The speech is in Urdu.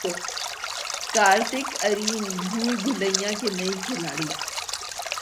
کارتک ارین بھول بھلیاں کے نئے کھلاڑی